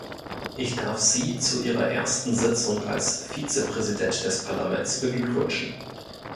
Ich darf Sie zu ihrer ersten Sitzung als Vizepräsident des Parlaments beglückwünschen.